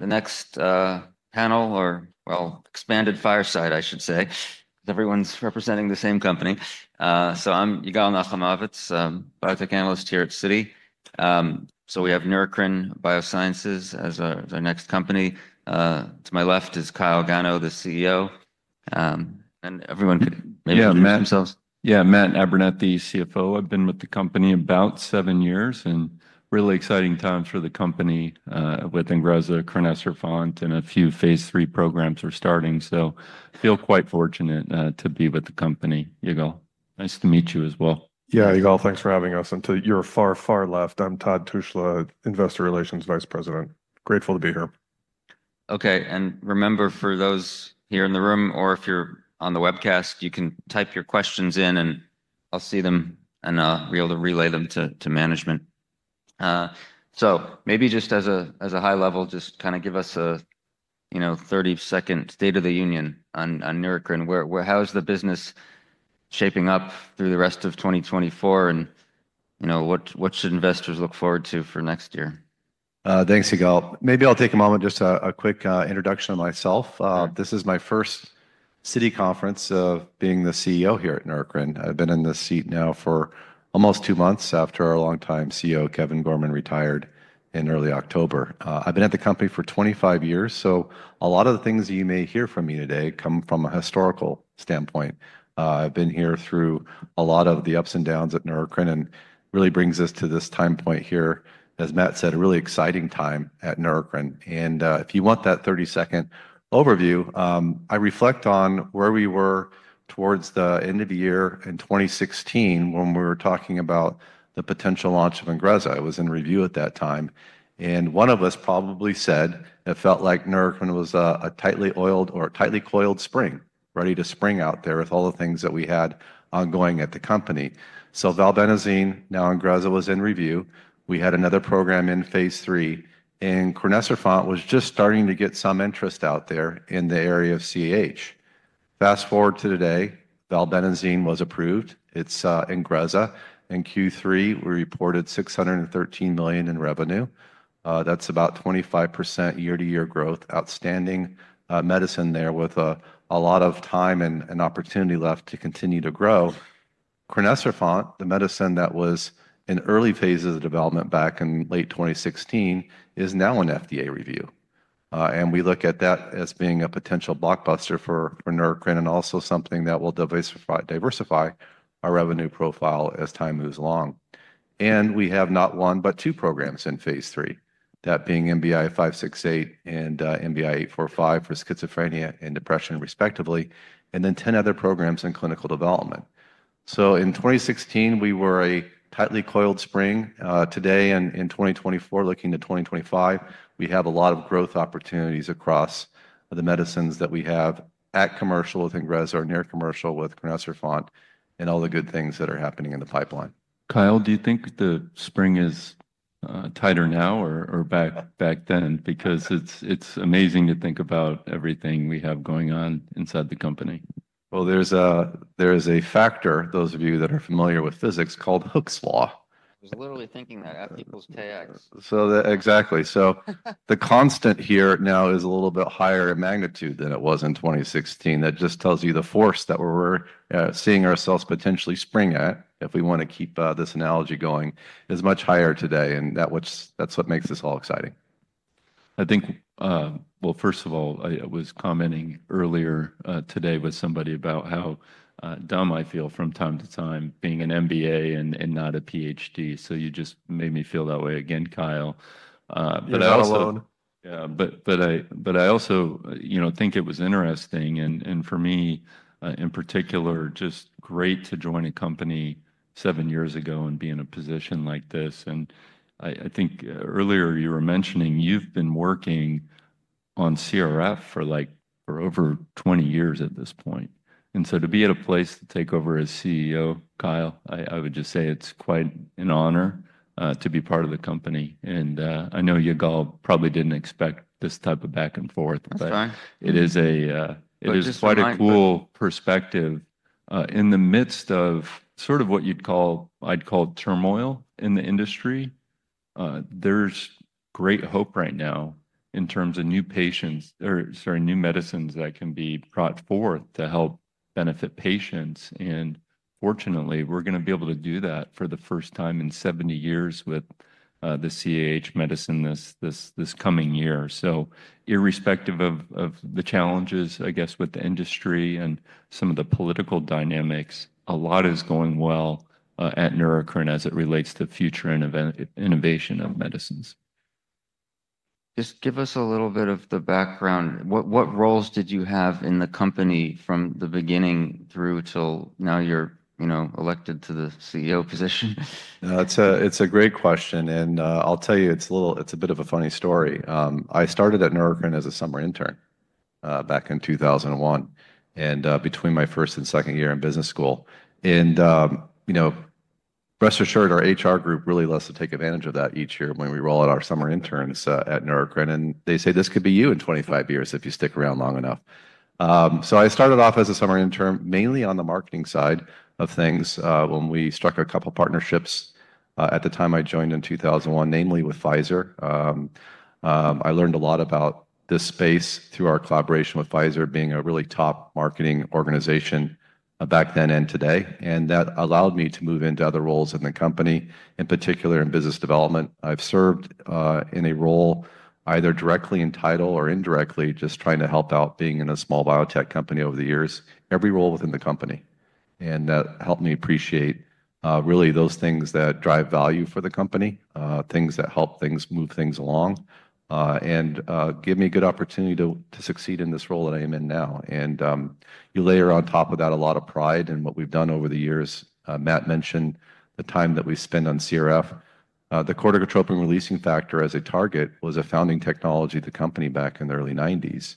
The next panel or well, expanded fireside I should say, because everyone's representing the same company. I'm Yigal Nochomovitz, biotech analyst here at Citi. We have Neurocrine Biosciences as our next company. To my left is Kyle Gano, the CEO. Everyone could maybe introduce themselves. Yeah, Matt Abernethy, CFO. I've been with the company about seven years, and really exciting times for the company, with Ingrezza, crinecerfont, and a few phase three programs we're starting. So I feel quite fortunate to be with the company. Yigal, nice to meet you as well. Yeah, Yigal, thanks for having us. And to your far, far left, I'm Todd Tushla, Investor Relations Vice President. Grateful to be here. Okay, and remember, for those here in the room, or if you're on the webcast, you can type your questions in, and I'll see them and be able to relay them to management. So maybe just as a high level, just kind of give us a, you know, 30-second State of the Union on Neurocrine. Where, how is the business shaping up through the rest of 2024? And, you know, what should investors look forward to for next year? Thanks, Yigal. Maybe I'll take a moment, just a quick introduction of myself. This is my first Citi conference of being the CEO here at Neurocrine. I've been in the seat now for almost two months after our longtime CEO, Kevin Gorman, retired in early October. I've been at the company for 25 years, so a lot of the things you may hear from me today come from a historical standpoint. I've been here through a lot of the ups and downs at Neurocrine, and really brings us to this time point here, as Matt said, a really exciting time at Neurocrine, and if you want that 30-second overview, I reflect on where we were towards the end of the year in 2016 when we were talking about the potential launch of Ingrezza. It was in review at that time. One of us probably said it felt like Neurocrine was a tightly oiled or a tightly coiled spring, ready to spring out there with all the things that we had ongoing at the company. So valbenazine, now Ingrezza, was in review. We had another program in phase three, and crinecerfont was just starting to get some interest out there in the area of CAH. Fast forward to today, valbenazine was approved. It's Ingrezza. In Q3, we reported $613 million in revenue. That's about 25% year-to-year growth, outstanding medicine there with a lot of time and opportunity left to continue to grow. crinecerfont, the medicine that was in early phases of development back in late 2016, is now in FDA review. And we look at that as being a potential blockbuster for Neurocrine and also something that will diversify our revenue profile as time moves along. And we have not one but two programs in phase three, that being NBI-568 and NBI-845 for schizophrenia and depression, respectively, and then 10 other programs in clinical development. So in 2016, we were a tightly coiled spring. Today and in 2024, looking to 2025, we have a lot of growth opportunities across the medicines that we have at commercial with Ingrezza or near commercial with crinecerfont and all the good things that are happening in the pipeline. Kyle, do you think the spring is tighter now or back then? Because it's amazing to think about everything we have going on inside the company. There is a factor, those of you that are familiar with physics, called Hooke's Law. I was literally thinking that, F equals KX. So exactly. So the constant here now is a little bit higher in magnitude than it was in 2016. That just tells you the force that we're seeing ourselves potentially spring at, if we want to keep this analogy going, is much higher today. And that's what makes this all exciting. I think, well, first of all, I was commenting earlier today with somebody about how dumb I feel from time to time being an MBA and not a PhD. So you just made me feel that way again, Kyle. Not alone. Yeah, but I also, you know, think it was interesting. And for me, in particular, just great to join a company seven years ago and be in a position like this. And I think earlier you were mentioning you've been working on CRF for, like, over 20 years at this point. And so to be at a place to take over as CEO, Kyle, I would just say it's quite an honor to be part of the company. I know Yigal probably didn't expect this type of back and forth. That's fine. It is quite a cool perspective. In the midst of sort of what you'd call, I'd call turmoil in the industry, there's great hope right now in terms of new patients or, sorry, new medicines that can be brought forth to help benefit patients. And fortunately, we're going to be able to do that for the first time in 70 years with the CAH medicine this coming year. So irrespective of the challenges, I guess, with the industry and some of the political dynamics, a lot is going well at Neurocrine as it relates to future innovation of medicines. Just give us a little bit of the background. What roles did you have in the company from the beginning through till now you're, you know, elected to the CEO position? It's a great question. I'll tell you, it's a bit of a funny story. I started at Neurocrine as a summer intern, back in 2001, between my first and second year in business school. You know, rest assured, our HR group really lets us take advantage of that each year when we roll out our summer interns at Neurocrine. They say, "This could be you in 25 years if you stick around long enough, so I started off as a summer intern mainly on the marketing side of things when we struck a couple partnerships, at the time I joined in 2001, namely with Pfizer. I learned a lot about this space through our collaboration with Pfizer being a really top marketing organization, back then and today. And that allowed me to move into other roles in the company, in particular in business development. I've served, in a role either directly in title or indirectly, just trying to help out being in a small biotech company over the years, every role within the company. And that helped me appreciate, really those things that drive value for the company, things that help things move things along, and, give me a good opportunity to succeed in this role that I am in now. And, you layer on top of that a lot of pride in what we've done over the years. Matt mentioned the time that we spend on CRF, the corticotropin-releasing factor as a target was a founding technology of the company back in the early 1990s.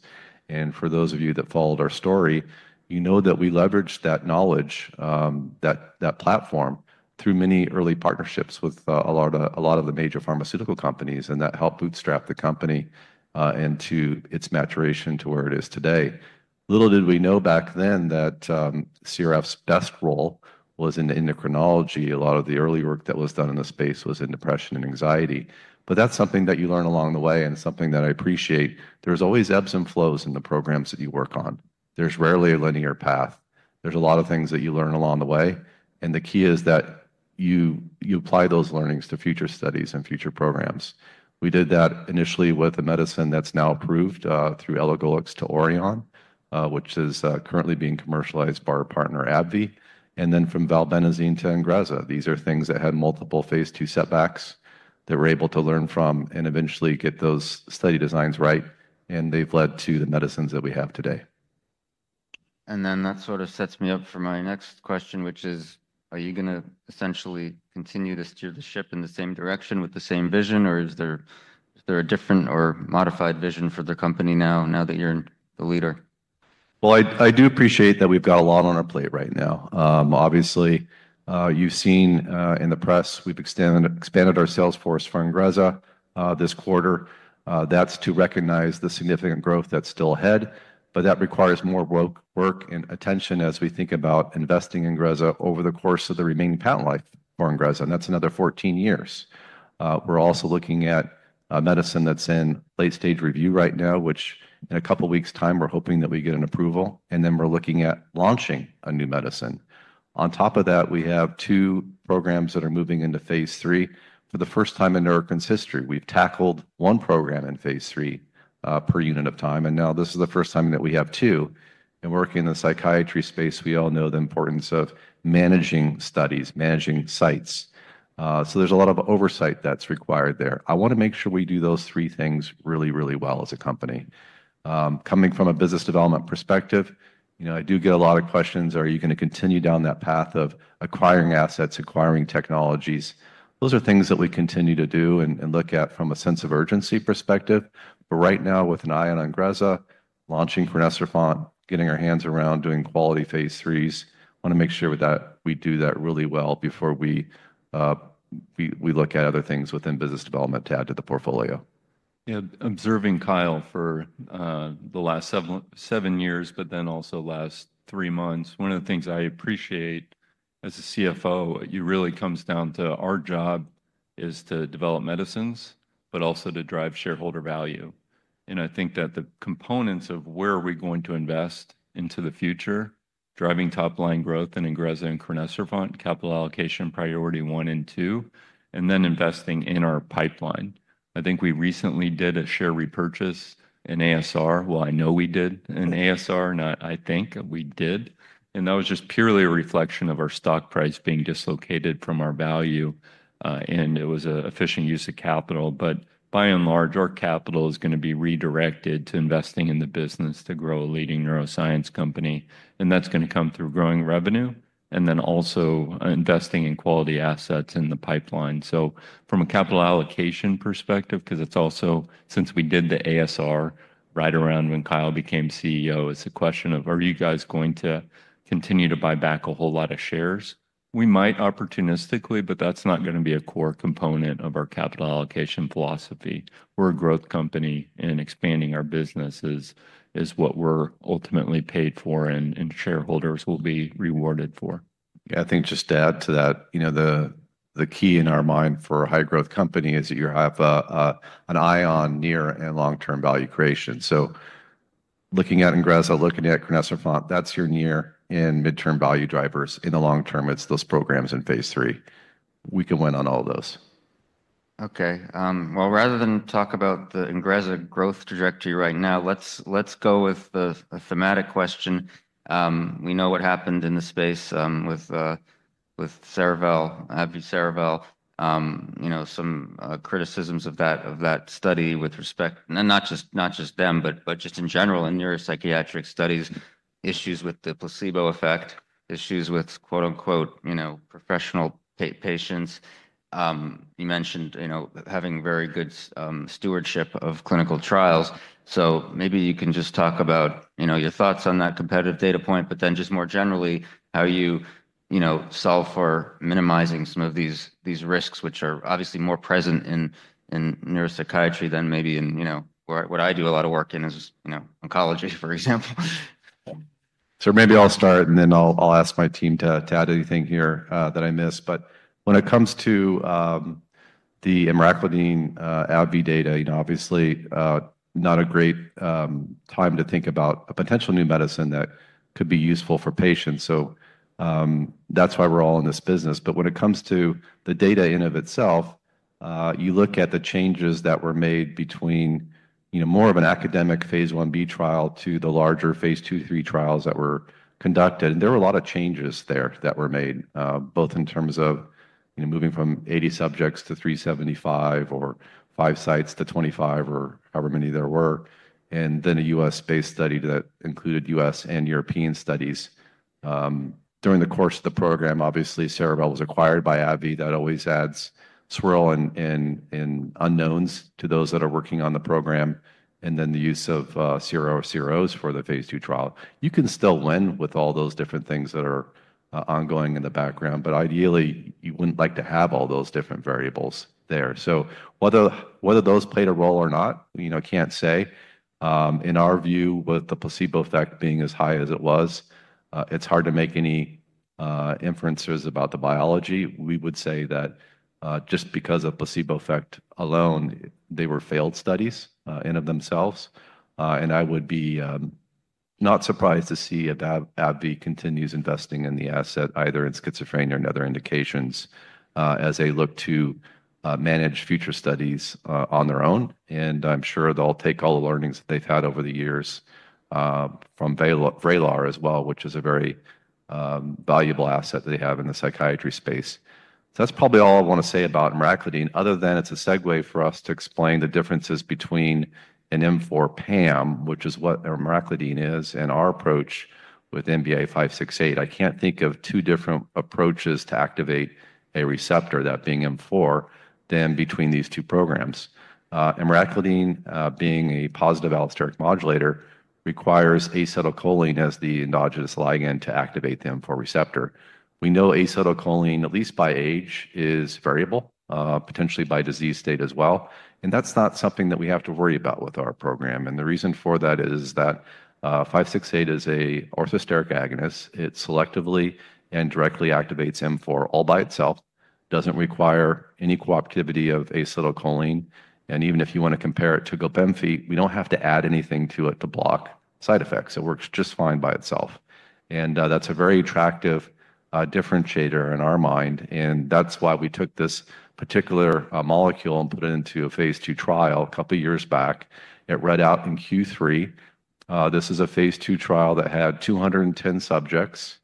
And for those of you that followed our story, you know that we leveraged that knowledge, that platform through many early partnerships with a lot of the major pharmaceutical companies. And that helped bootstrap the company into its maturation to where it is today. Little did we know back then that CRF's best role was in endocrinology. A lot of the early work that was done in the space was in depression and anxiety. But that's something that you learn along the way and something that I appreciate. There's always ebbs and flows in the programs that you work on. There's rarely a linear path. There's a lot of things that you learn along the way. And the key is that you apply those learnings to future studies and future programs. We did that initially with a medicine that's now approved through elagolix to Oriahnn, which is currently being commercialized by our partner AbbVie and then from valbenazine to Ingrezza. These are things that had multiple phase 2 setbacks that we're able to learn from and eventually get those study designs right and they've led to the medicines that we have today. And then that sort of sets me up for my next question, which is, are you going to essentially continue to steer the ship in the same direction with the same vision, or is there a different or modified vision for the company now, now that you're the leader? I do appreciate that we've got a lot on our plate right now. Obviously, you've seen, in the press, we've expanded our sales force for Ingrezza, this quarter. That's to recognize the significant growth that's still ahead. That requires more work and attention as we think about investing in Ingrezza over the course of the remaining patent life for Ingrezza. That's another 14 years. We're also looking at medicine that's in late-stage review right now, which in a couple weeks' time, we're hoping that we get an approval. Then we're looking at launching a new medicine. On top of that, we have two programs that are moving into phase three. For the first time in Neurocrine's history, we've tackled one program in phase three, per unit of time. Now this is the first time that we have two. Working in the psychiatry space, we all know the importance of managing studies, managing sites. So there's a lot of oversight that's required there. I want to make sure we do those three things really, really well as a company. Coming from a business development perspective, you know, I do get a lot of questions, are you going to continue down that path of acquiring assets, acquiring technologies? Those are things that we continue to do and look at from a sense of urgency perspective. But right now, with an eye on Ingrezza, launching crinecerfont, getting our hands around, doing quality phase threes, want to make sure that we do that really well before we look at other things within business development to add to the portfolio. Yeah, observing Kyle for the last seven years, but then also last three months, one of the things I appreciate as a CFO. It really comes down to our job is to develop medicines, but also to drive shareholder value. And I think that the components of where are we going to invest into the future, driving top-line growth in Ingrezza and crinecerfont, capital allocation priority one and two, and then investing in our pipeline. I think we recently did a share repurchase an ASR. Well, I know we did an ASR, not I think we did. And that was just purely a reflection of our stock price being dislocated from our value. And it was a efficient use of capital. But by and large, our capital is going to be redirected to investing in the business to grow a leading neuroscience company. And that's going to come through growing revenue and then also investing in quality assets in the pipeline. So from a capital allocation perspective, because it's also since we did the ASR right around when Kyle became CEO, it's a question of, are you guys going to continue to buy back a whole lot of shares? We might opportunistically, but that's not going to be a core component of our capital allocation philosophy. We're a growth company, and expanding our business is what we're ultimately paid for and shareholders will be rewarded for. Yeah, I think just to add to that, you know, the key in our mind for a high-growth company is that you have an eye on near and long-term value creation. So looking at Ingrezza, looking at crinecerfont, that's your near and mid-term value drivers. In the long term, it's those programs in phase three. We can win on all those. Okay. Well, rather than talk about the Ingrezza growth trajectory right now, let's go with the thematic question. We know what happened in the space, with Cerevel, AbbVie, Cerevel, you know, some criticisms of that study with respect, and not just them, but just in general in neuropsychiatric studies, issues with the placebo effect, issues with, quote unquote, you know, professional patients. You mentioned, you know, having very good stewardship of clinical trials. So maybe you can just talk about, you know, your thoughts on that competitive data point, but then just more generally, how you, you know, solve for minimizing some of these risks, which are obviously more present in neuropsychiatry than maybe in, you know, what I do a lot of work in is, you know, oncology, for example. So maybe I'll start, and then I'll ask my team to add anything here that I miss. But when it comes to the emraclidine AbbVie data, you know, obviously not a great time to think about a potential new medicine that could be useful for patients. So that's why we're all in this business. But when it comes to the data in and of itself, you look at the changes that were made between, you know, more of an academic phase 1b trial to the larger phase 2/3 trials that were conducted. And there were a lot of changes there that were made, both in terms of, you know, moving from 80 subjects to 375 or five sites to 25 or however many there were, and then a U.S.-based study that included U.S. and European studies. During the course of the program, obviously, Cerevel was acquired by AbbVie. That always adds swirl and unknowns to those that are working on the program, and then the use of CRO or CROs for the phase two trial. You can still win with all those different things that are ongoing in the background, but ideally, you wouldn't like to have all those different variables there, so whether those played a role or not, you know, I can't say. In our view, with the placebo effect being as high as it was, it's hard to make any inferences about the biology. We would say that, just because of placebo effect alone, they were failed studies in and of themselves. And I would be not surprised to see if AbbVie continues investing in the asset, either in schizophrenia or in other indications, as they look to manage future studies on their own. And I'm sure they'll take all the learnings that they've had over the years from Vraylar as well, which is a very valuable asset that they have in the psychiatry space. So that's probably all I want to say about emraclidine, other than it's a segue for us to explain the differences between an M4 PAM, which is what emraclidine is, and our approach with NBI-568. I can't think of two different approaches to activate a receptor, that being M4, than between these two programs. emraclidine, being a positive allosteric modulator, requires acetylcholine as the endogenous ligand to activate the M4 receptor. We know acetylcholine, at least by age, is variable, potentially by disease state as well. That's not something that we have to worry about with our program. The reason for that is that 568 is an orthosteric agonist. It selectively and directly activates M4 all by itself. It doesn't require any cooperativity of acetylcholine. Even if you want to compare it to gabapentin, we don't have to add anything to it to block side effects. It works just fine by itself. That's a very attractive differentiator in our mind. That's why we took this particular molecule and put it into a phase two trial a couple of years back. It read out in Q3. This is a phase two trial that had 210 subjects,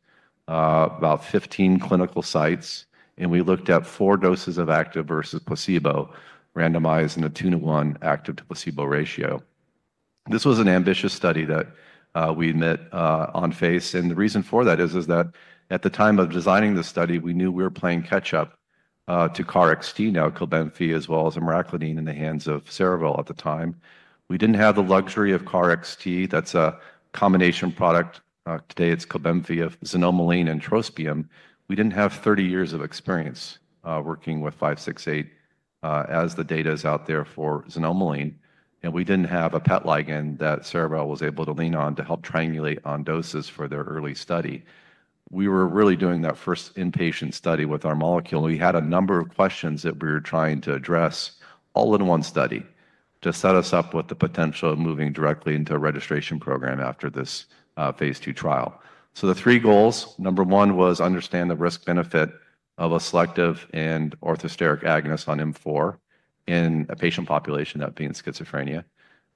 about 15 clinical sites. We looked at four doses of active versus placebo, randomized in a two to one active to placebo ratio. This was an ambitious study that we met on face. And the reason for that is that at the time of designing the study, we knew we were playing catch-up to KarXT, now Cobenfy, as well as emraclidine in the hands of Cerevel at the time. We didn't have the luxury of KarXT. That's a combination product. Today it's Cobenfy, xanomeline, and trospium. We didn't have 30 years of experience, working with NBI-568, as the data is out there for xanomeline. And we didn't have a PET ligand that Cerevel was able to lean on to help triangulate on doses for their early study. We were really doing that first inpatient study with our molecule. We had a number of questions that we were trying to address all in one study to set us up with the potential of moving directly into a registration program after this phase 2 trial. The three goals, number one was to understand the risk-benefit of a selective and orthosteric agonist on M4 in a patient population, that being schizophrenia.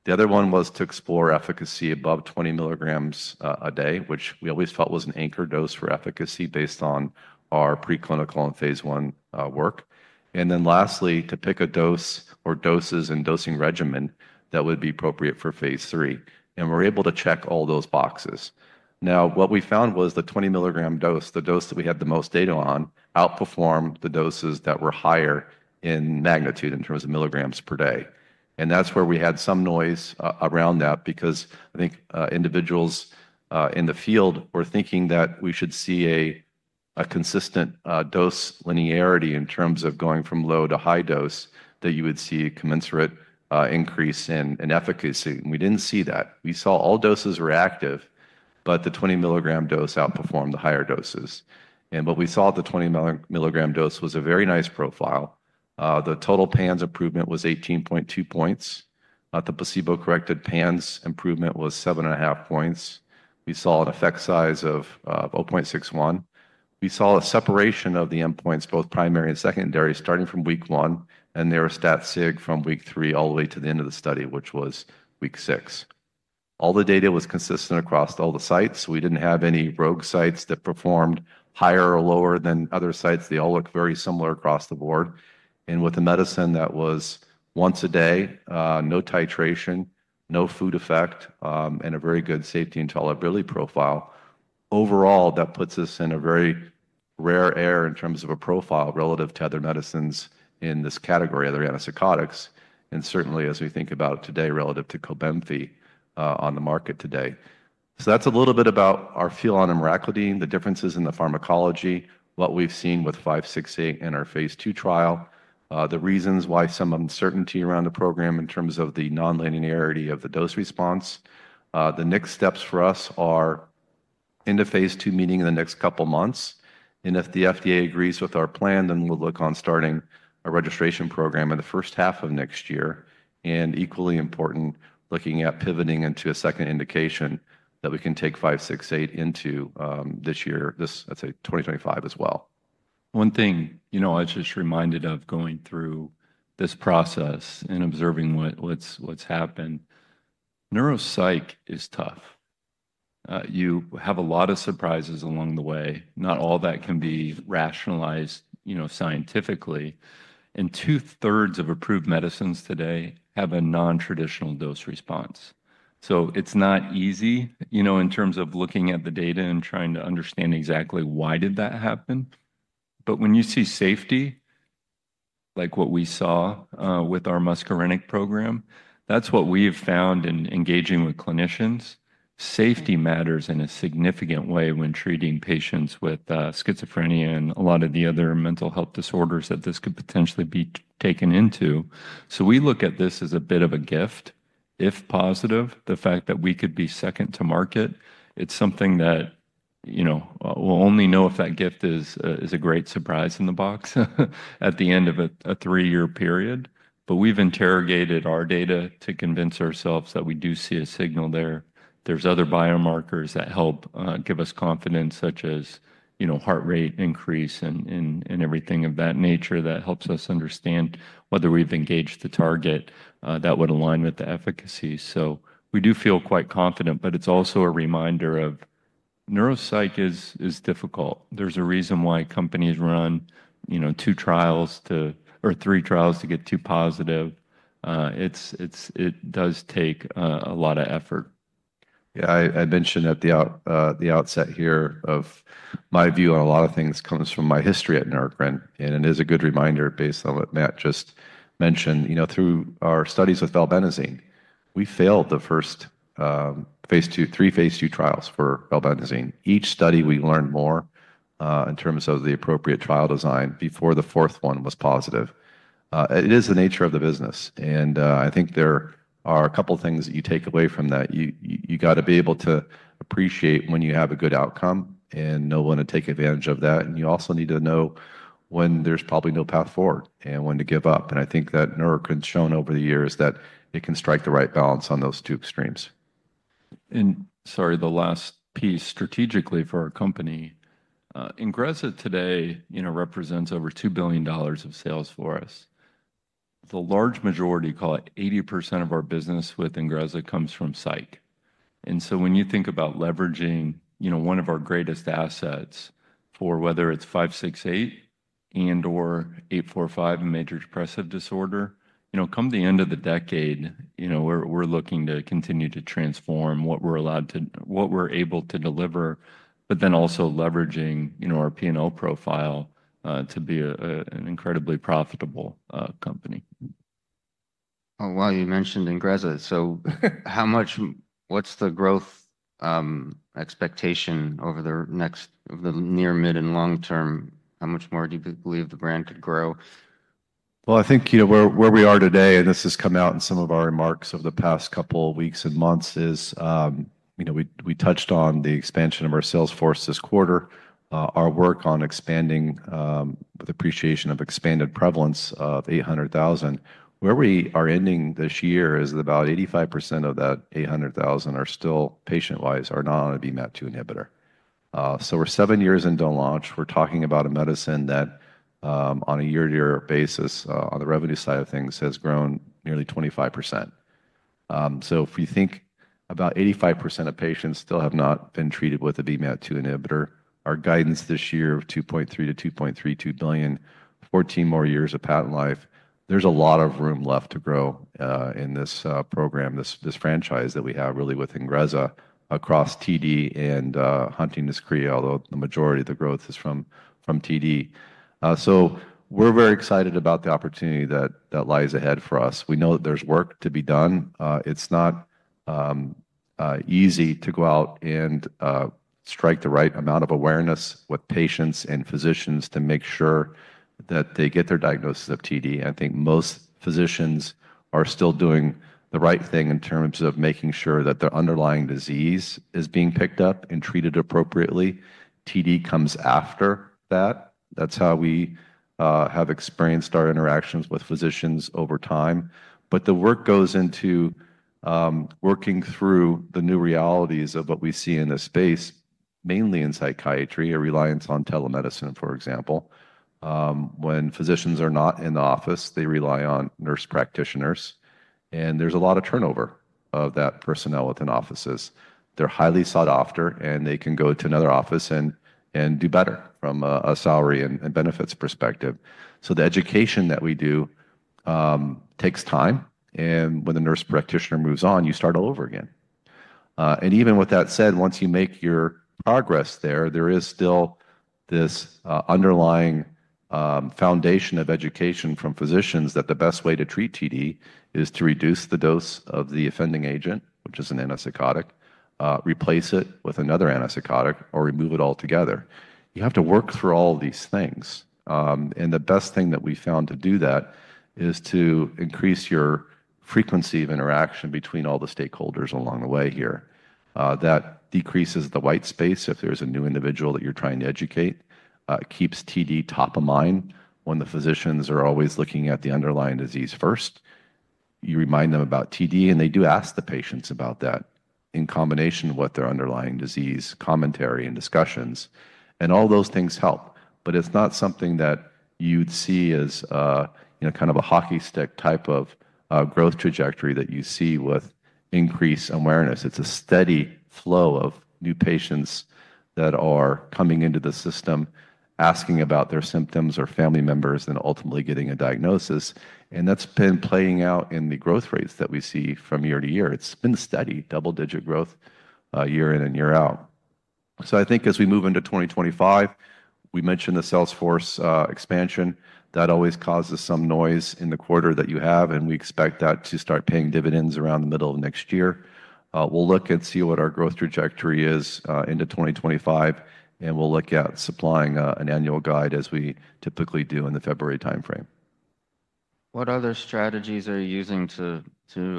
The other one was to explore efficacy above 20 milligrams a day, which we always felt was an anchor dose for efficacy based on our preclinical and phase 1 work. Then lastly, to pick a dose or doses and dosing regimen that would be appropriate for phase 3. We're able to check all those boxes. Now, what we found was the 20-milligram dose, the dose that we had the most data on, outperformed the doses that were higher in magnitude in terms of milligrams per day. That's where we had some noise around that, because I think individuals in the field were thinking that we should see a consistent dose linearity in terms of going from low to high dose that you would see a commensurate increase in efficacy. We didn't see that. We saw all doses were active, but the 20 milligram dose outperformed the higher doses. What we saw at the 20 milligram dose was a very nice profile. The total PANSS improvement was 18.2 points. The placebo-corrected PANSS improvement was seven and a half points. We saw an effect size of 0.61. We saw a separation of the endpoints, both primary and secondary, starting from week one and they were statistically significant from week three all the way to the end of the study, which was week six. All the data was consistent across all the sites. We didn't have any rogue sites that performed higher or lower than other sites. They all look very similar across the board. And with a medicine that was once a day, no titration, no food effect, and a very good safety and tolerability profile, overall, that puts us in a very rare air in terms of a profile relative to other medicines in this category of the antipsychotics. And certainly, as we think about it today, relative to Cobenfy on the market today. So that's a little bit about our feel on emraclidine, the differences in the pharmacology, what we've seen with 568 in our phase two trial, the reasons why some uncertainty around the program in terms of the non-linearity of the dose response. The next steps for us are into phase two, meeting in the next couple months. And if the FDA agrees with our plan, then we'll embark on starting a registration program in the first half of next year. And equally important, looking at pivoting into a second indication that we can take 568 into, this year, let's say, 2025 as well. One thing, you know, I was just reminded of going through this process and observing what's happened. Neuropsych is tough. You have a lot of surprises along the way. Not all that can be rationalized, you know, scientifically. And two-thirds of approved medicines today have a non-traditional dose response. So it's not easy, you know, in terms of looking at the data and trying to understand exactly why did that happen. But when you see safety, like what we saw, with our muscarinic program, that's what we have found in engaging with clinicians. Safety matters in a significant way when treating patients with schizophrenia and a lot of the other mental health disorders that this could potentially be taken into. So we look at this as a bit of a gift. If positive, the fact that we could be second to market, it's something that, you know, we'll only know if that gift is a great surprise in the box at the end of a three-year period. But we've interrogated our data to convince ourselves that we do see a signal there. There's other biomarkers that help, give us confidence, such as, you know, heart rate increase and everything of that nature that helps us understand whether we've engaged the target, that would align with the efficacy. So we do feel quite confident, but it's also a reminder of neuropsych is difficult. There's a reason why companies run, you know, two trials or three trials to get two positive. It does take a lot of effort. Yeah, I mentioned at the outset here of my view on a lot of things comes from my history at Neurocrine. And it is a good reminder based on what Matt just mentioned, you know, through our studies with valbenazine, we failed the first three phase two trials for valbenazine. Each study, we learned more, in terms of the appropriate trial design before the fourth one was positive. It is the nature of the business. And, I think there are a couple of things that you take away from that. You got to be able to appreciate when you have a good outcome and know when to take advantage of that. And you also need to know when there's probably no path forward and when to give up. I think that Neurocrine has shown over the years that it can strike the right balance on those two extremes. And sorry, the last piece strategically for our company, Ingrezza today, you know, represents over $2 billion of sales for us. The large majority, call it 80% of our business with Ingrezza comes from psych. And so when you think about leveraging, you know, one of our greatest assets for whether it's 568 and/or 845, a major depressive disorder, you know, come the end of the decade, you know, we're looking to continue to transform what we're allowed to, what we're able to deliver, but then also leveraging, you know, our P&L profile, to be an incredibly profitable company. Oh, wow, you mentioned Ingrezza. So how much, what's the growth expectation over the next, over the near, mid, and long term? How much more do you believe the brand could grow? I think, you know, where we are today, and this has come out in some of our remarks over the past couple of weeks and months is, you know, we touched on the expansion of our sales force this quarter, our work on expanding, with appreciation of expanded prevalence of 800,000. Where we are ending this year is that about 85% of that 800,000 are still patient-wise not on a VMAT2 inhibitor. We're seven years into launch. We're talking about a medicine that, on a year-to-year basis, on the revenue side of things, has grown nearly 25%. If we think about 85% of patients still have not been treated with a VMAT2 inhibitor, our guidance this year of $2.3-$2.32 billion, 14 more years of patent life, there's a lot of room left to grow in this program, this franchise that we have really with Ingrezza across TD and Huntington's, although the majority of the growth is from TD. We're very excited about the opportunity that lies ahead for us. We know that there's work to be done. It's not easy to go out and strike the right amount of awareness with patients and physicians to make sure that they get their diagnosis of TD. I think most physicians are still doing the right thing in terms of making sure that the underlying disease is being picked up and treated appropriately. TD comes after that. That's how we have experienced our interactions with physicians over time. But the work goes into working through the new realities of what we see in this space, mainly in psychiatry: a reliance on telemedicine, for example. When physicians are not in the office, they rely on nurse practitioners. And there's a lot of turnover of that personnel within offices. They're highly sought after, and they can go to another office and do better from a salary and benefits perspective. So the education that we do takes time. And when the nurse practitioner moves on, you start all over again. And even with that said, once you make your progress there, there is still this underlying foundation of education from physicians that the best way to treat TD is to reduce the dose of the offending agent, which is an antipsychotic, replace it with another antipsychotic, or remove it altogether. You have to work through all of these things. And the best thing that we found to do that is to increase your frequency of interaction between all the stakeholders along the way here. That decreases the white space if there's a new individual that you're trying to educate. It keeps TD top of mind when the physicians are always looking at the underlying disease first. You remind them about TD, and they do ask the patients about that in combination with their underlying disease commentary and discussions. And all those things help. But it's not something that you'd see as, you know, kind of a hockey stick type of growth trajectory that you see with increased awareness. It's a steady flow of new patients that are coming into the system asking about their symptoms or family members and ultimately getting a diagnosis, and that's been playing out in the growth rates that we see from year-to-year. It's been steady, double-digit growth, year in and year out, so I think as we move into 2025, we mentioned the sales force expansion. That always causes some noise in the quarter that you have, and we expect that to start paying dividends around the middle of next year. We'll look and see what our growth trajectory is into 2025, and we'll look at supplying an annual guide as we typically do in the February timeframe. What other strategies are you using to, you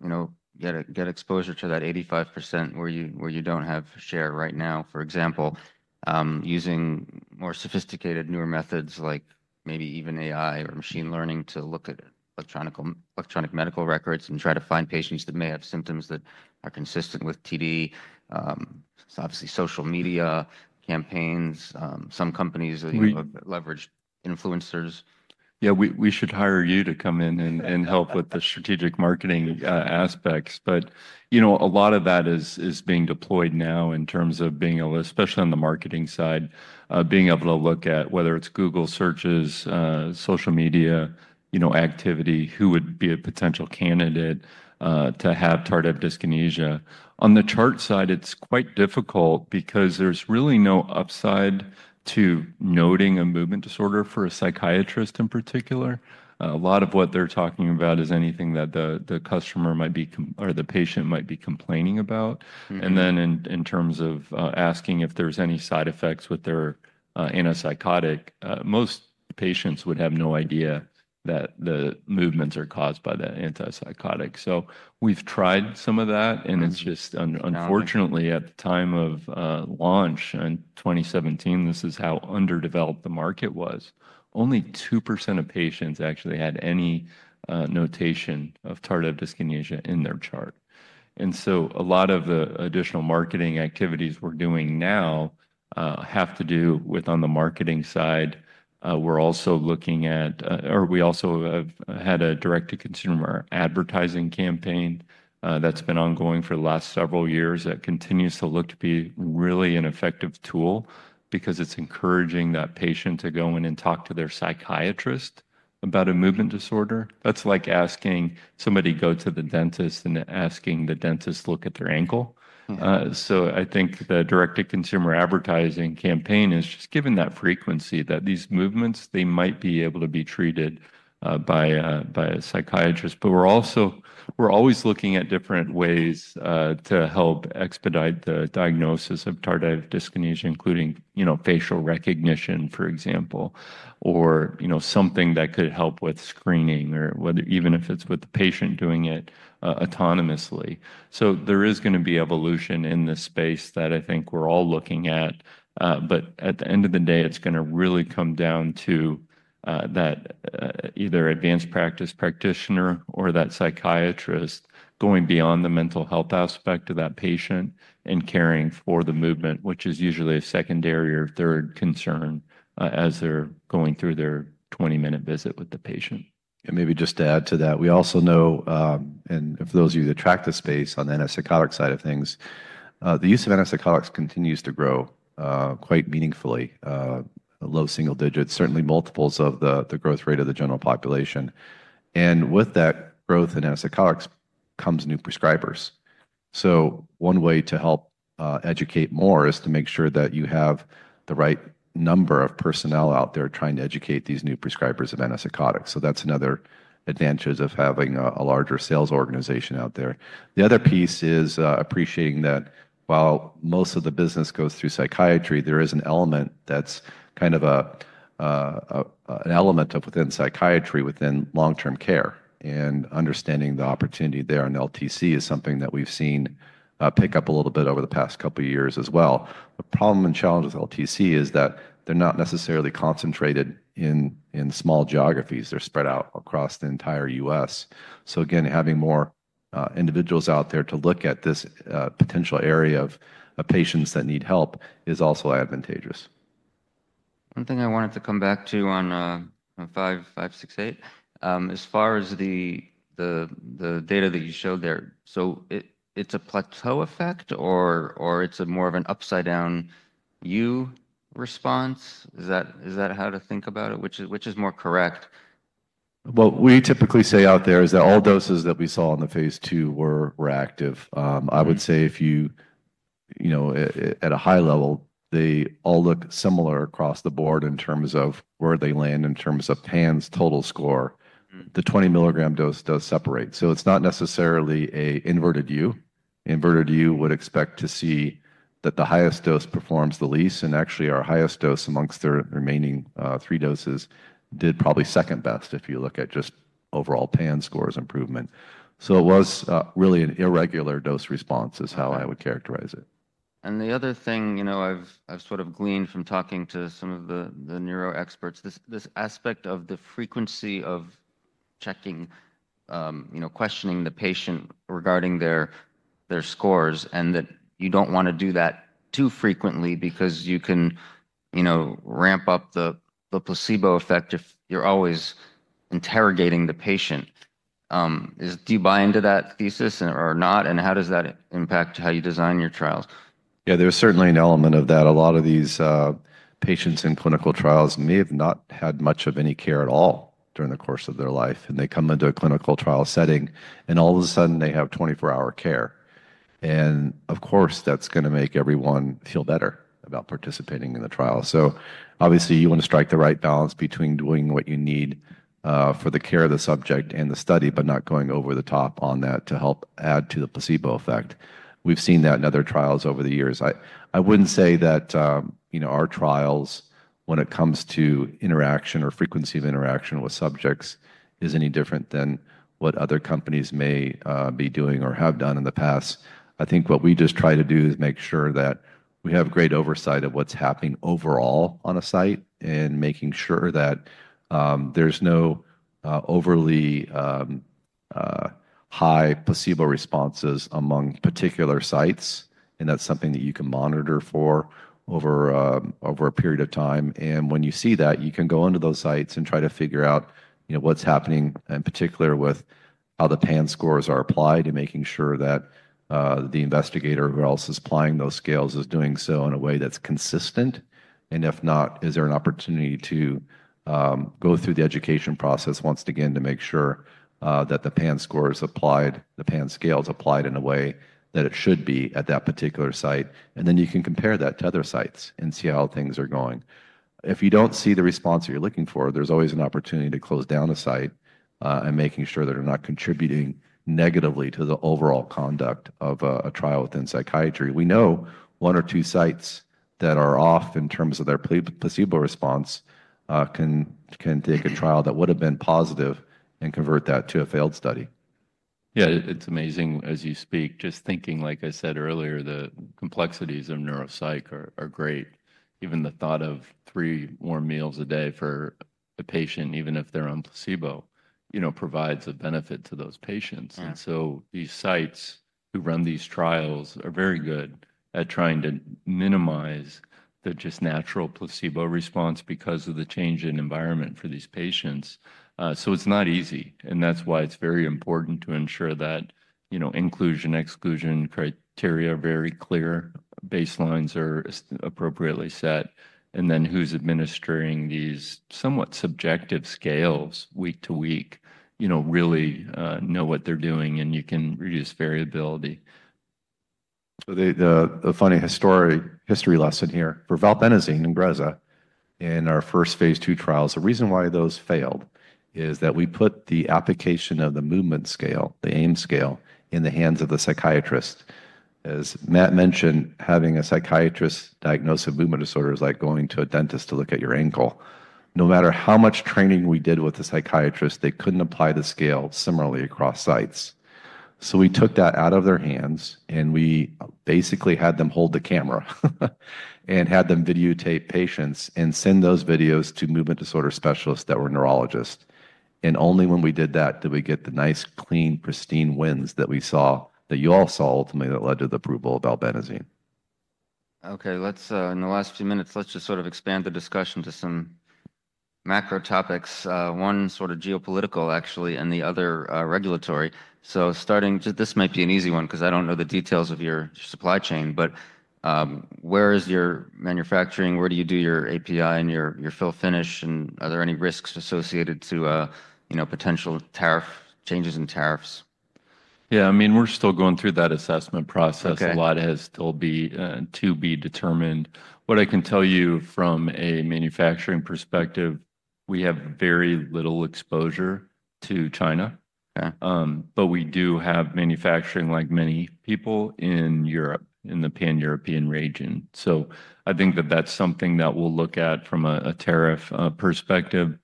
know, get exposure to that 85% where you don't have share right now, for example, using more sophisticated newer methods like maybe even AI or machine learning to look at electronic medical records and try to find patients that may have symptoms that are consistent with TD? It's obviously social media campaigns. Some companies that you have leveraged influencers. Yeah, we should hire you to come in and help with the strategic marketing aspects. But, you know, a lot of that is being deployed now in terms of being able, especially on the marketing side, to look at whether it's Google searches, social media, you know, activity, who would be a potential candidate to have tardive dyskinesia. On the chart side, it's quite difficult because there's really no upside to noting a movement disorder for a psychiatrist in particular. A lot of what they're talking about is anything that the customer might be or the patient might be complaining about. And then in terms of asking if there's any side effects with their antipsychotic, most patients would have no idea that the movements are caused by the antipsychotic. So we've tried some of that, and it's just, unfortunately, at the time of launch in 2017, this is how underdeveloped the market was. Only 2% of patients actually had any notation of tardive dyskinesia in their chart. And so a lot of the additional marketing activities we're doing now have to do with on the marketing side. We're also looking at, or we also have had a direct-to-consumer advertising campaign that's been ongoing for the last several years that continues to look to be really an effective tool because it's encouraging that patient to go in and talk to their psychiatrist about a movement disorder. That's like asking somebody to go to the dentist and asking the dentist to look at their ankle. So I think the direct-to-consumer advertising campaign is just given that frequency that these movements, they might be able to be treated by a psychiatrist. But we're also always looking at different ways to help expedite the diagnosis of tardive dyskinesia, including, you know, facial recognition, for example, or, you know, something that could help with screening or whether even if it's with the patient doing it autonomously. So there is going to be evolution in this space that I think we're all looking at. But at the end of the day, it's going to really come down to that either advanced practice practitioner or that psychiatrist going beyond the mental health aspect of that patient and caring for the movement, which is usually a secondary or third concern, as they're going through their 20-minute visit with the patient. And maybe just to add to that, we also know, and for those of you that track the space on the antipsychotic side of things, the use of antipsychotics continues to grow, quite meaningfully, low single digits, certainly multiples of the growth rate of the general population. And with that growth in antipsychotics comes new prescribers. So one way to help educate more is to make sure that you have the right number of personnel out there trying to educate these new prescribers of antipsychotics. So that's another advantage of having a larger sales organization out there. The other piece is appreciating that while most of the business goes through psychiatry, there is an element that's kind of an element of within psychiatry within long-term care. Understanding the opportunity there in LTC is something that we've seen pick up a little bit over the past couple of years as well. The problem and challenge with LTC is that they're not necessarily concentrated in small geographies. They're spread out across the entire U.S. So again, having more individuals out there to look at this potential area of patients that need help is also advantageous. One thing I wanted to come back to on 568, as far as the data that you showed there, so it's a plateau effect or it's more of an upside-down U response? Is that how to think about it? Which is more correct? What we typically say out there is that all doses that we saw in the phase two were active. I would say if you, you know, at a high level, they all look similar across the board in terms of where they land in terms of PANSS total score. The 20-milligram dose does separate. So it's not necessarily an inverted U. Inverted U would expect to see that the highest dose performs the least. And actually, our highest dose amongst the remaining, three doses did probably second best if you look at just overall PANSS scores improvement. So it was, really an irregular dose response is how I would characterize it. And the other thing, you know, I've sort of gleaned from talking to some of the neuro experts, this aspect of the frequency of checking, you know, questioning the patient regarding their scores, and that you don't want to do that too frequently because you can, you know, ramp up the placebo effect if you're always interrogating the patient. Do you buy into that thesis or not? And how does that impact how you design your trials? Yeah, there's certainly an element of that. A lot of these patients in clinical trials may have not had much of any care at all during the course of their life, and they come into a clinical trial setting, and all of a sudden, they have 24-hour care. And of course, that's going to make everyone feel better about participating in the trial. So obviously, you want to strike the right balance between doing what you need for the care of the subject and the study, but not going over the top on that to help add to the placebo effect. We've seen that in other trials over the years. I wouldn't say that, you know, our trials, when it comes to interaction or frequency of interaction with subjects, is any different than what other companies may be doing or have done in the past. I think what we just try to do is make sure that we have great oversight of what's happening overall on a site and making sure that there's no overly high placebo responses among particular sites. That's something that you can monitor for over a period of time. When you see that, you can go into those sites and try to figure out, you know, what's happening in particular with how the PANSS scores are applied and making sure that the investigator who else is applying those scales is doing so in a way that's consistent. If not, is there an opportunity to go through the education process once again to make sure that the PANSS score is applied, the PANSS scale is applied in a way that it should be at that particular site? And then you can compare that to other sites and see how things are going. If you don't see the response that you're looking for, there's always an opportunity to close down a site, and making sure that they're not contributing negatively to the overall conduct of a trial within psychiatry. We know one or two sites that are off in terms of their placebo response, can take a trial that would have been positive and convert that to a failed study. Yeah, it's amazing as you speak. Just thinking, like I said earlier, the complexities of neuropsych are great. Even the thought of three more meals a day for a patient, even if they're on placebo, you know, provides a benefit to those patients, and so these sites who run these trials are very good at trying to minimize the just natural placebo response because of the change in environment for these patients, so it's not easy, and that's why it's very important to ensure that, you know, inclusion-exclusion criteria are very clear, baselines are appropriately set, and then who's administering these somewhat subjective scales week to week, you know, really know what they're doing, and you can reduce variability. So the funny history lesson here for valbenazine and Ingrezza in our first phase two trials, the reason why those failed is that we put the application of the movement scale, the AIMS scale, in the hands of the psychiatrist. As Matt mentioned, having a psychiatrist diagnose a movement disorder is like going to a dentist to look at your ankle. No matter how much training we did with the psychiatrist, they couldn't apply the scale similarly across sites. So we took that out of their hands, and we basically had them hold the camera and had them videotape patients and send those videos to movement disorder specialists that were neurologists. Only when we did that did we get the nice, clean, pristine wins that we saw that you all saw ultimately that led to the approval of valbenazine. Okay, let's, in the last few minutes, let's just sort of expand the discussion to some macro topics. One sort of geopolitical, actually, and the other, regulatory. So starting just this might be an easy one because I don't know the details of your supply chain, but, where is your manufacturing? Where do you do your API and your fill finish? And are there any risks associated to, you know, potential tariff changes in tariffs? Yeah, I mean, we're still going through that assessment process. A lot still has to be determined. What I can tell you from a manufacturing perspective, we have very little exposure to China. But we do have manufacturing, like many people in Europe, in the pan-European region. So I think that that's something that we'll look at from a tariff perspective.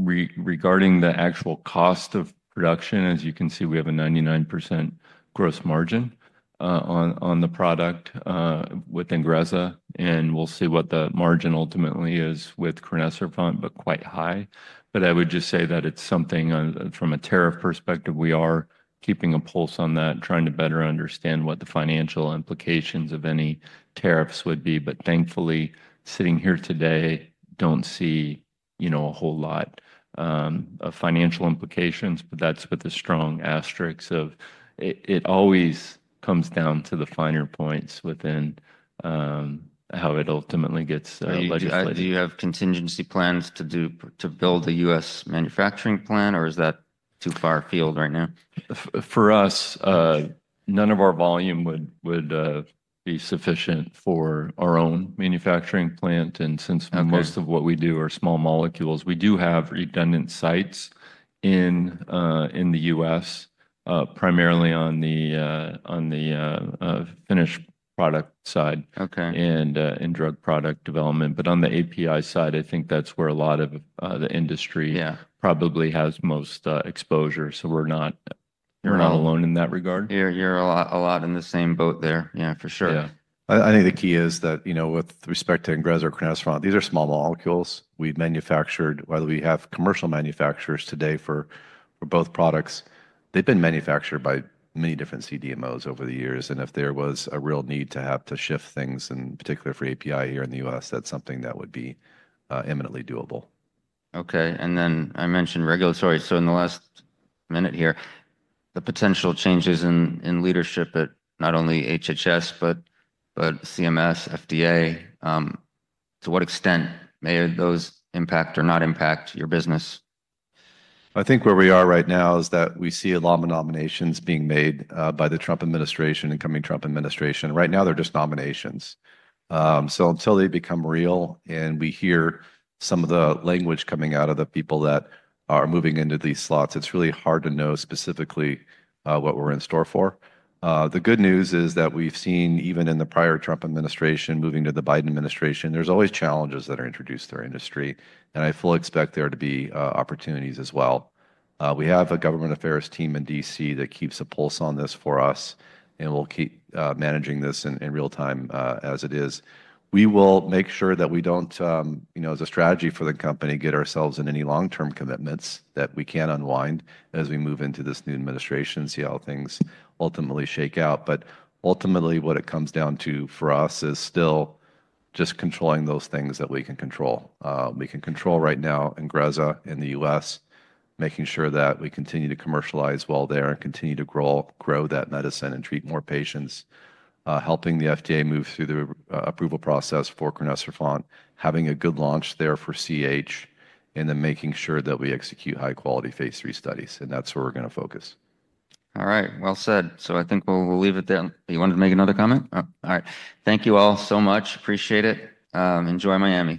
Regarding the actual cost of production, as you can see, we have a 99% gross margin on the product with Ingrezza. And we'll see what the margin ultimately is with crinecerfont, but quite high. But I would just say that it's something from a tariff perspective, we are keeping a pulse on that, trying to better understand what the financial implications of any tariffs would be. But thankfully, sitting here today, don't see you know a whole lot of financial implications, but that's with the strong asterisks of it always comes down to the finer points within how it ultimately gets legislated. Do you have contingency plans to build a U.S. manufacturing plant, or is that too far afield right now? For us, none of our volume would be sufficient for our own manufacturing plant. And since most of what we do are small molecules, we do have redundant sites in the U.S., primarily on the finished product side. Okay. In drug product development. On the API side, I think that's where a lot of the industry probably has most exposure. We're not alone in that regard. You're a lot in the same boat there. Yeah, for sure. Yeah. I think the key is that, you know, with respect to Ingrezza or crinecerfont, these are small molecules. We've manufactured, whether we have commercial manufacturers today for both products, they've been manufactured by many different CDMOs over the years. And if there was a real need to have to shift things, in particular for API here in the U.S., that's something that would be, eminently doable. Okay. And then I mentioned regulatory. So in the last minute here, the potential changes in leadership at not only HHS, but CMS, FDA, to what extent may those impact or not impact your business? I think where we are right now is that we see a lot of nominations being made by the Trump administration and coming Trump administration. Right now, they're just nominations. Until they become real and we hear some of the language coming out of the people that are moving into these slots, it's really hard to know specifically what's in store for. The good news is that we've seen, even in the prior Trump administration moving to the Biden administration, there's always challenges that are introduced to our industry, and I fully expect there to be opportunities as well. We have a government affairs team in D.C. that keeps a pulse on this for us, and we'll keep managing this in real time, as it is. We will make sure that we don't, you know, as a strategy for the company, get ourselves in any long-term commitments that we can unwind as we move into this new administration, see how things ultimately shake out, but ultimately, what it comes down to for us is still just controlling those things that we can control. We can control right now Ingrezza in the U.S., making sure that we continue to commercialize while there and continue to grow that medicine and treat more patients, helping the FDA move through the approval process for crinecerfont, having a good launch there for CAH, and then making sure that we execute high-quality phase three studies, and that's where we're going to focus. All right. Well said. So I think we'll leave it there. You wanted to make another comment? All right. Thank you all so much. Appreciate it. Enjoy Miami.